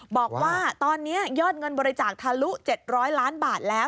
บอกว่าตอนนี้ยอดเงินบริจาคทะลุ๗๐๐ล้านบาทแล้ว